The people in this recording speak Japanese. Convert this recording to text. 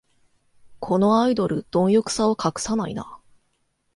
このアイドル、どん欲さを隠さないな